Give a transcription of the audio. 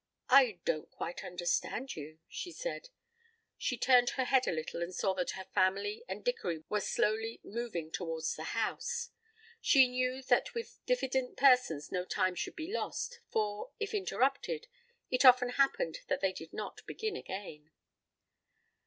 "I don't quite understand you," she said. She turned her head a little and saw that her family and Dickory were slowly moving towards the house. She knew that with diffident persons no time should be lost, for, if interrupted, it often happened that they did not begin again.